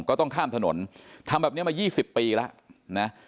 ก็ต้องข้ามถนนทำแบบนี้มา๒๐ปีแล้วนะ